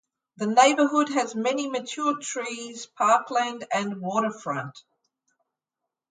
The neighbourhood has many mature trees, parkland and waterfront.